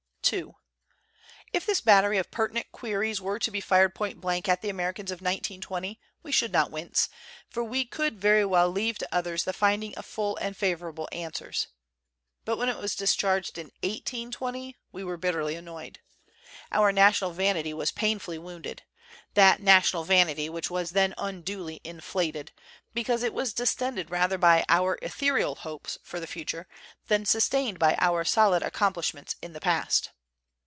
" II IF this battery of pertinent queries were to be fired point blank at the Americans of 1920, we should not wince, for we could very well leave to others the finding of full and favorable an swers. But when it was discharged in 1820, we were bitterly annoyed. Our national vanity was painfully wounded, that national vanity which was then unduly inflated, because it was distended rather by our etherial hopes for the future than sustained by our solid accomplish ments in the past.